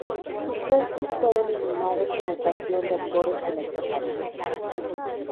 Sus restos fueron inhumados en el Panteón de Actores de la Chacarita.